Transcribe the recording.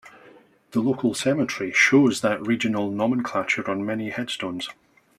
The local cemetery shows that regional nomenclature on many headstones.